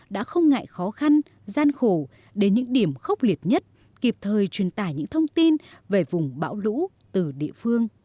đã không ngại khó khăn gian khổ đến những điểm khốc liệt nhất kịp thời truyền tải những thông tin về vùng bão lũ từ địa phương